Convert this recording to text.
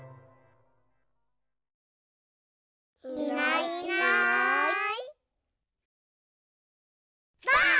いないいないばあっ！